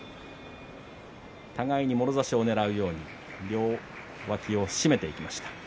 互いにもろ差しをねらうように両脇を締めていきました。